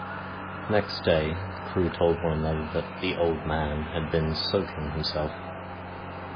Next day the crew told one another that ' the old man ' had been ' soaking himself.'